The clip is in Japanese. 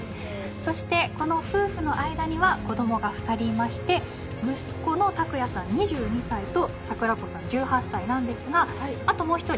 そしてこの夫婦の間には子供が２人いまして息子の拓哉さん２２歳と桜子さん１８歳なんですがあともう一人。